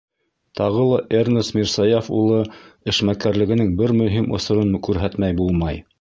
Тағы ла Эрнст Мирсаяф улы эшмәкәрлегенең бер мөһим осорон күрһәтмәй булмай.